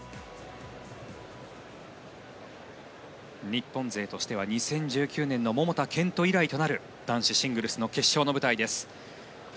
日本勢としては２０１９年の桃田賢斗以来となる男子シングルスの決勝の舞台です。